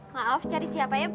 maaf cari siapa ya bu